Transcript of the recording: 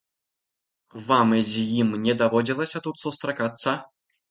Вам з ім не даводзілася тут сустракацца?